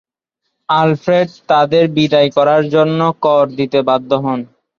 Alfred তাদের বিদায় করার জন্য কর দিতে বাধ্য হন।